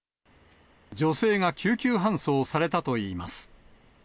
女性が救急搬送されたといいます。